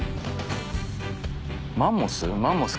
マンモス？